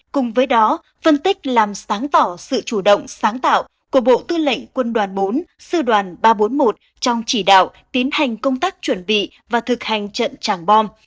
cùng với đó phân tích làm sáng tỏ sự chủ động sáng tạo của bộ tư lệnh quân đoàn bốn sư đoàn ba trăm bốn mươi một trong chỉ đạo tiến hành công tác chuẩn bị và thực hành trận chẳng bom